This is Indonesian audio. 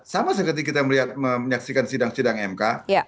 sama seperti kita melihat menyaksikan sidang sidang mk